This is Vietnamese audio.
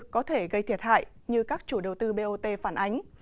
có thể gây thiệt hại như các chủ đầu tư bot phản ánh